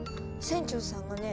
船長さんがね